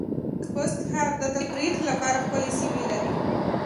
خوست ښار د تفریح لپاره ښکلې سېمې لرې